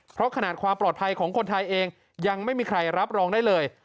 เพราะขนาดความปลอดภัยของคนไทยเองยังไม่มีใครรับรองได้เลย